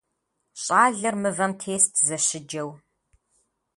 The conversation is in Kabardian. Щӏалэр мывэм тест зэщыджэу.